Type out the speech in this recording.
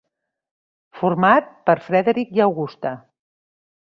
Format per Frederick i Augusta.